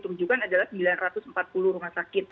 rujukan adalah sembilan ratus empat puluh rumah sakit